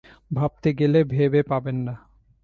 ভাবতে গেলে ভেবে পাবেন না।